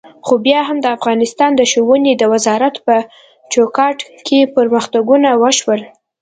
خو بیا هم د افغانستان د ښوونې د وزارت په چوکاټ کې پرمختګونه وشول.